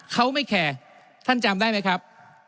เขาไม่แคร์ท่านจำได้ไหมครับ